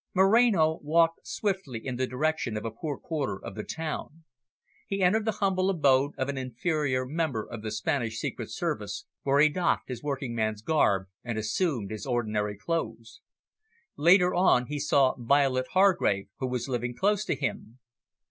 Moreno walked swiftly in the direction of a poor quarter of the town. He entered the humble abode of an inferior member of the Spanish Secret Service, where he doffed his working man's garb and assumed his ordinary clothes. Later on, he saw Violet Hargrave, who was living close to him.